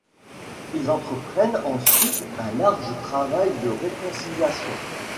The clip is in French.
Ils entreprennent ensuite un large travail de réconciliation.